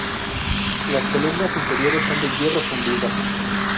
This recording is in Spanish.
Las columnas interiores son de hierro fundido.